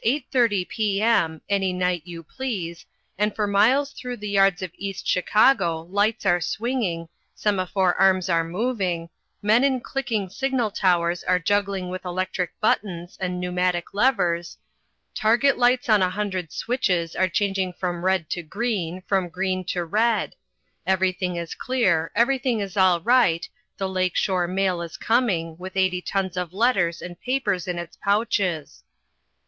30 P.M., any night you please, and for miles through the yards of East Chicago lights are swinging, semaphore arms are moving, men in clicking signal towers are juggling with electric buttons and pneumatic levers, target lights on a hundred switches are changing from red to green, from green to red; everything is clear, everything is all right, the Lake Shore Mail is coming, with eighty tons of letters and papers in its pouches.